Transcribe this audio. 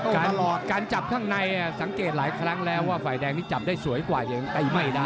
ตลอดการจับข้างในสังเกตหลายครั้งแล้วว่าฝ่ายแดงนี้จับได้สวยกว่ายังตีไม่ได้